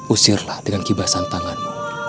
usirlah dengan kibasan tanganmu